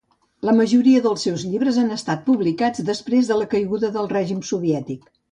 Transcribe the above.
La majoria dels seus llibres han estat publicats després de la caiguda del règim soviètic.